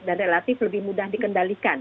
dan relatif lebih mudah dikendalikan